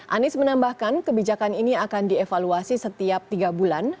anies menambahkan kebijakan ini akan dievaluasi setiap tiga bulan